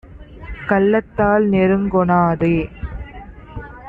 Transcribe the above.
கள்ளத்தால் நெருங் கொணாதே